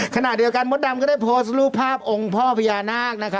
ขณะเดียวกันมดดำก็ได้โพสต์รูปภาพองค์พ่อพญานาค